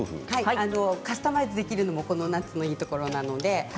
カスタマイズできるのがこのナッツのいいところです。